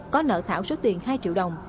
có nợ thảo số tiền hai triệu đồng